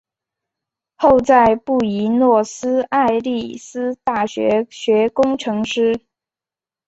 后在布宜诺斯艾利斯大学学工程师。